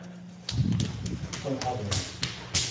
كُن حَذِراً.